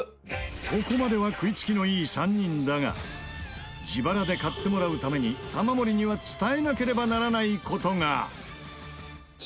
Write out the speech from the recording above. ここまでは食いつきのいい３人だが自腹で買ってもらうために玉森には伝えなければならない事が三浦：